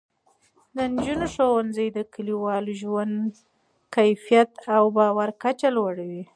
د نجونو ښوونځی د کلیوالو ژوند کیفیت او د باور کچه لوړوي.